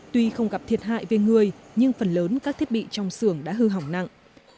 tuy không gặp thiệt hại về người nhưng phần lớn các thiết bị trong xưởng đã hư hỏng nặng